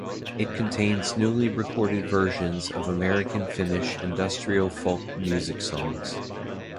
It contains newly recorded versions of American Finnish industrial folk music songs.